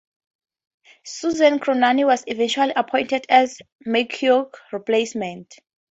Susan Crennan was eventually appointed as McHugh's replacement.